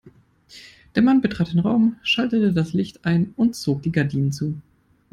Ein Mann betrat den Raum, schaltete das Licht ein und zog die Gardinen zu.